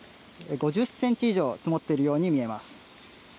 ５０センチ以上積もっているように見えます。